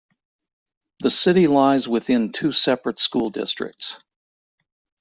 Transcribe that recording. The city lies within two separate school districts.